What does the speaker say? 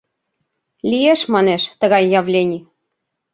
— Лиеш, — манеш, — тыгай явлений.